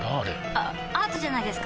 あアートじゃないですか？